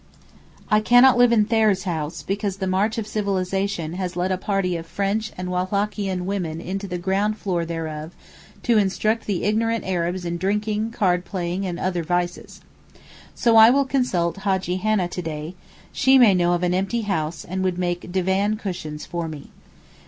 I cannot live in Thayer's house because the march of civilization has led a party of French and Wallachian women into the ground floor thereof to instruct the ignorant Arabs in drinking, card playing, and other vices. So I will consult Hajjee Hannah to day; she may know of an empty house and would make divan cushions for me.